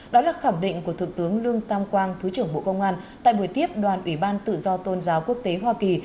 đó là khẳng định của thượng tướng lương tam quang thứ trưởng bộ công an tại buổi tiếp đoàn ủy ban tự do tôn giáo quốc tế hoa kỳ